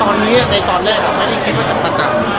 เอ่อตอนนี้ในตอนแรกอ่ะไม่ได้คิดว่าจะมาจาก